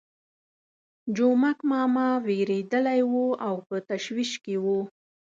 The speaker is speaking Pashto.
جومک ماما وېرېدلی وو او په تشویش کې وو.